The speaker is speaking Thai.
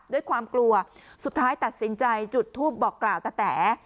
ด้วยความกลัวสุดท้ายตัดสินใจจุดทูปบอกกล่าวตะแต๋